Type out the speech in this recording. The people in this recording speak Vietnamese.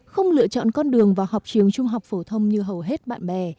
không lựa chọn con đường vào học trường trung học phổ thông như hầu hết bạn bè